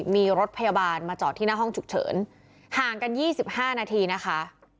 มีรถพยาบาลมาจอดที่หน้าห้องฉุกเฉินห่างกัน๒๕นาทีนะคะ